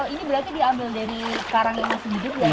ini berarti diambil dari karang yang masih tidur